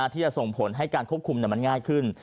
ที่จะส่งผลให้การควบคุมมันง่ายขึ้น